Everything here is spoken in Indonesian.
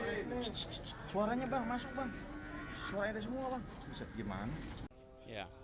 ssss suaranya bang masuk bang suaranya ada semua bang